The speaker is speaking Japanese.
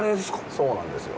そうなんですよ。